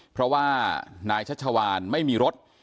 เพราะว่านายชัชวานไม่มีรถ